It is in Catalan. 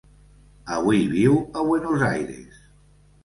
Avui viu a Buenos Aires.